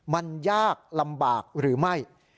มันยากลำบากหรือไม่